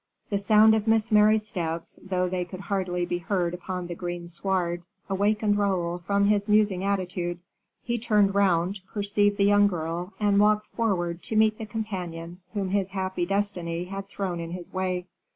The sound of Miss Mary's steps, though they could hardly be heard upon the green sward, awakened Raoul from his musing attitude; he turned round, perceived the young girl, and walked forward to meet the companion whom his happy destiny had thrown in his way.